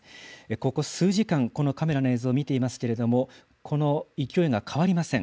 ここ数時間、このカメラの映像を見ていますけれども、この勢いが変わりません。